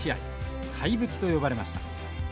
怪物と呼ばれました。